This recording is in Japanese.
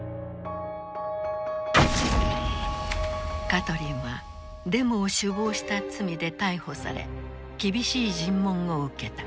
カトリンはデモを首謀した罪で逮捕され厳しい尋問を受けた。